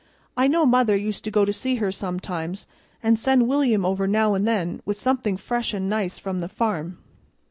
I know mother used to go to see her sometimes, and send William over now and then with something fresh an' nice from the farm.